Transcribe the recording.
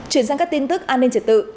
chuyển sang các tin tức an ninh trật tự